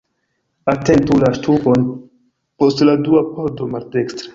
Atentu la ŝtupon post la dua pordo maldekstre.